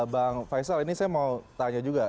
bang faisal ini saya mau tanya juga